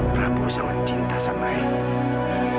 prabu sangat cinta sama aini